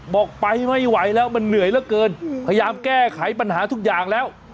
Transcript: บอกไปไม่ไหวแล้วมันเหนื่อยเหลือเกินพยายามแก้ไขปัญหาทุกอย่างแล้ว